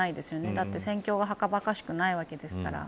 だって戦況がはかばかしくないわけですから。